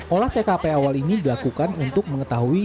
olah tkp awal ini dilakukan untuk mengetahui